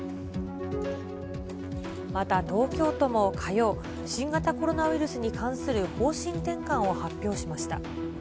また、東京都も火曜、新型コロナウイルスに関する方針転換を発表しました。